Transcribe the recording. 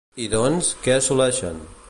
I doncs, què assoleixen?